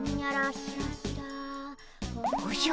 おじゃ？